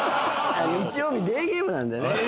日曜日デーゲームなんで。